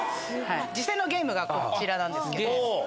実際のゲームがこちらなんです。